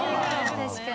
確かに。